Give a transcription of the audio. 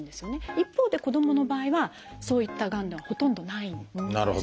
一方で子どもの場合はそういったがんではほとんどないんです。